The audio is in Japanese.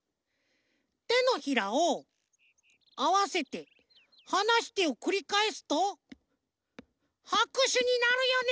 てのひらをあわせてはなしてをくりかえすとはくしゅになるよね！